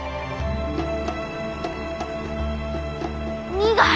苦い。